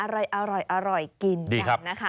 อร่อยกินกันนะคะ